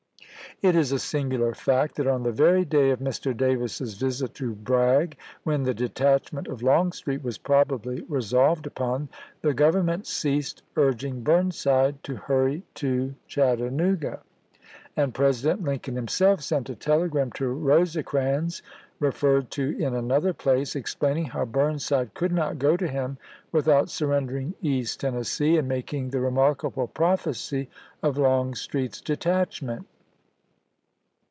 It is a singular fact that on the very day of Mr. Davis's visit to Bragg, when the detachment of Longstreet was probably resolved upon, the Gov ernment ceased urging Burnside to hurry to Chat 168 ABRAHAM LINCOLN BUKNSIDE IN TENNESSEE 169 tanooga, and President Lincoln himself sent a telegram to Rosecrans, referred to in another place, explaining how Burnside could not go to him with out surrendering East Tennessee, and making the remarkable prophecy of Longstreet's detachment.